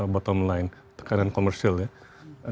bottom line tekanan komersil ya